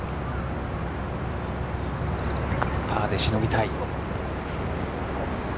パーでしのぎたい。